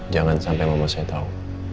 jangan sampai mama saya tau